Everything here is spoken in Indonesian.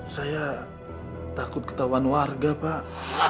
saya takut ketahuan warga pak